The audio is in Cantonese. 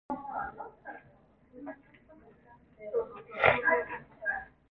乙型肝炎